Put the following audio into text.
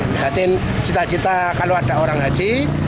medatin cita cita kalau ada orang haji